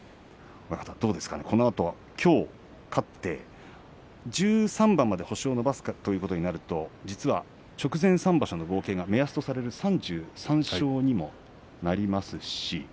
このあと、きょう勝って１３番まで星を伸ばすかというところになると実は直前３場所の合計が目安とされる３３勝にもなります。